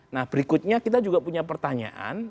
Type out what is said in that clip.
nah berikutnya kita juga punya pertanyaan